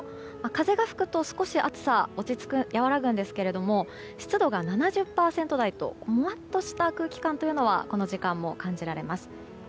風が吹くと少し暑さは和らぐんですが湿度が７０％台ともわっとした空気感というのはこの時間も感じられます。